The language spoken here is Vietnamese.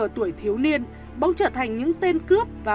ở tuổi thiếu niên bỗng trở thành những tên cướp và